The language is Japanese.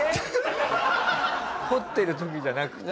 掘ってる時じゃなくて。